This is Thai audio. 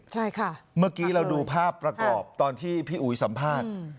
ใช่ค่ะเมื่อกี้เราดูภาพประกอบตอนที่พี่อุ๋ยสัมภาษณ์